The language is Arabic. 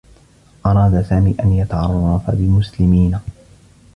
أراد سامي أن يتعرّف بمسلمين.